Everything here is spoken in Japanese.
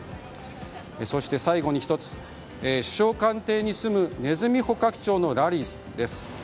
そして最後に１つ首相官邸にすむネズミ捕獲長のラリーです。